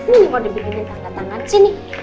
ini mau dibikinin tangga tangan sini